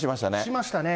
しましたね。